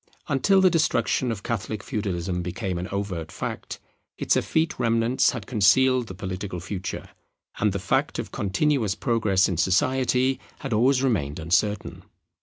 Until the destruction of Catholic Feudalism became an overt fact, its effete remnants had concealed the political future, and the fact of continuous progress in society had always remained uncertain.